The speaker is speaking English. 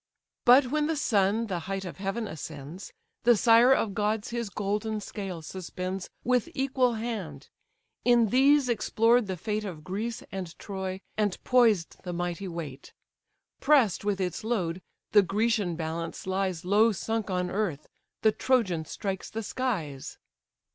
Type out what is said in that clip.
But when the sun the height of heaven ascends, The sire of gods his golden scales suspends, With equal hand: in these explored the fate Of Greece and Troy, and poised the mighty weight: Press'd with its load, the Grecian balance lies Low sunk on earth, the Trojan strikes the skies.